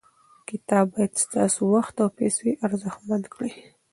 کتاب باید ستاسو وخت او پیسې ارزښتمن کړي.